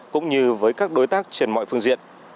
cũng như với các đối tác trên mọi phương diện